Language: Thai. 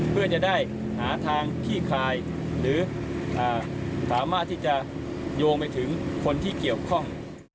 เพื่อจะได้หาทางขี้คายหรือสามารถที่จะโยงไปถึงคนที่เกี่ยวข้อง